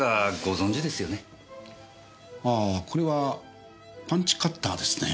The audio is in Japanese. ああこれはパンチカッターですね。